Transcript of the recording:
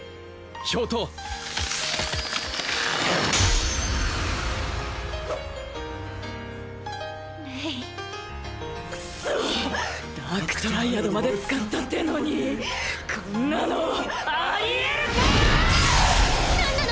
冰刀レイクソッダークトライアドまで使ったってのにこんなのあり得るかよ！何なの？